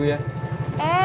iya nyak nggak apa apa